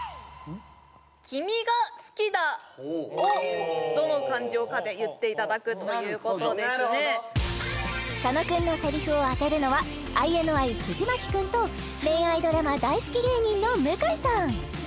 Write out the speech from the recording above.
「君が好きだ」をどの感情かで言っていただくということですね佐野くんのセリフを当てるのはＩＮＩ藤牧くんと恋愛ドラマ大好き芸人の向井さん